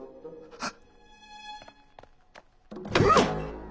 あっ！